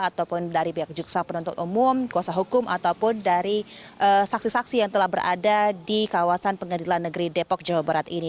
ataupun dari pihak jaksa penuntut umum kuasa hukum ataupun dari saksi saksi yang telah berada di kawasan pengadilan negeri depok jawa barat ini